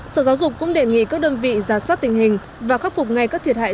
sở giáo dục cũng đề nghị các đơn vị giả soát tình hình và khắc phục ngay các thiệt hại